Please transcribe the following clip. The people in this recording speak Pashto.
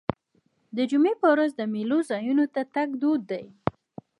د جمعې په ورځ د میلو ځایونو ته تګ دود دی.